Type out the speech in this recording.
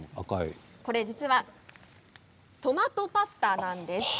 これ実はトマトパスタなんです。